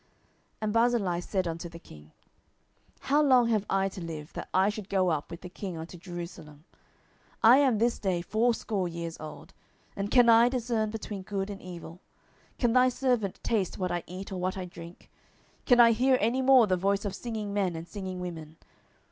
10:019:034 And Barzillai said unto the king, How long have I to live, that I should go up with the king unto Jerusalem? 10:019:035 I am this day fourscore years old: and can I discern between good and evil? can thy servant taste what I eat or what I drink? can I hear any more the voice of singing men and singing women?